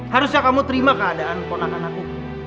harusnya kamu terima keadaan ponakan anakku